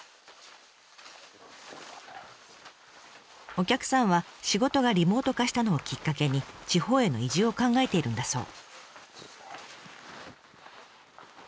お客さんは仕事がリモート化したのをきっかけに地方への移住を考えているんだそう。